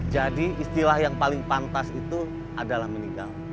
jadi istilah yang paling pantas itu adalah meninggal